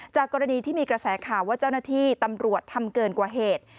กรณีที่มีกระแสข่าวว่าเจ้าหน้าที่ตำรวจทำเกินกว่าเหตุ